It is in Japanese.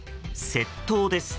窃盗です。